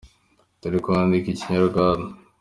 Turi kwandika ikinyarwanda.